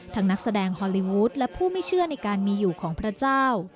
นักแสดงฮอลลีวูดและผู้ไม่เชื่อในการมีอยู่ของพระเจ้า